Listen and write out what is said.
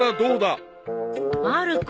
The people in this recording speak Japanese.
まる子！